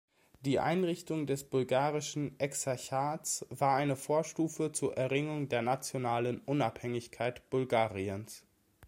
Die Einrichtung des bulgarischen Exarchats war eine Vorstufe zur Erringung der nationalen Unabhängigkeit Bulgariens.